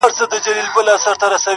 دهقان څه چي لا په خپل کلي کي خان وو٫